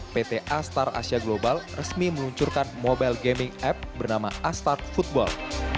pt a start asia global resmi meluncurkan mobile gaming app bernama a start football